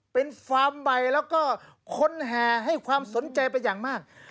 เป็นฟาร์มใหม่แล้วก็คนแห่ให้ความสนใจเป็นอย่างมาก